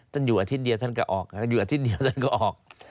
ท่านอยู่อาทิตย์เดียวท่านก็ออกอยู่อาทิตย์เดียวท่านก็ออก